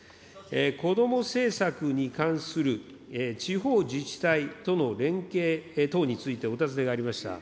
こども政策に関する地方自治体との連携等についてお尋ねがありました。